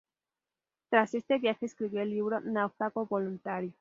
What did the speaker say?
Tras este viaje escribió el libro "Náufrago voluntario".